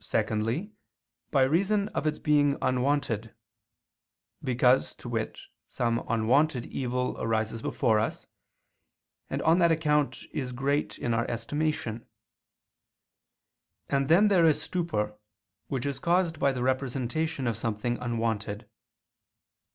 _ Secondly, by reason of its being unwonted; because, to wit, some unwonted evil arises before us, and on that account is great in our estimation: and then there is stupor, which is caused by the representation of something unwonted.